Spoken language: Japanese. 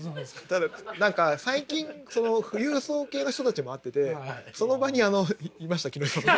ただ何か最近その富裕層系の人たちも会っててその場にあのいました木下さんも。